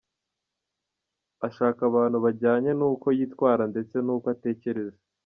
Ashaka abantu bajyanye n’uko yitwara ndetse n’uko atekereza.